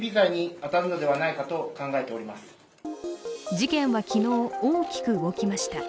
事件は昨日、大きく動きました。